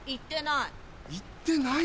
行ってない。